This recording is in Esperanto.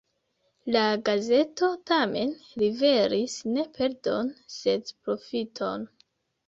La gazeto tamen liveris ne perdon, sed profiton.